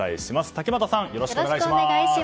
竹俣さん、よろしくお願いします。